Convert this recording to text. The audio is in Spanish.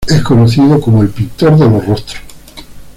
Es conocido como "el pintor de los rostros".